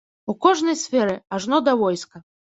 У кожнай сферы, ажно да войска.